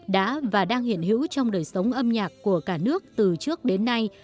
đã và đang hiện hữu trong đời sống âm nhạc của cả nước từ trước đến nay